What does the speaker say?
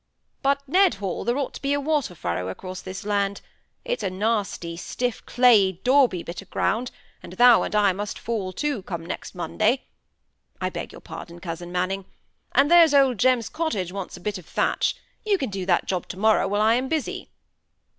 But—Ned Hall, there ought to be a water furrow across this land: it's a nasty, stiff, clayey, dauby bit of ground, and thou and I must fall to, come next Monday—I beg your pardon, cousin Manning—and there's old Jem's cottage wants a bit of thatch; you can do that job to morrow while I am busy."